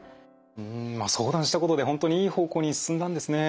うん相談したことで本当にいい方向に進んだんですね。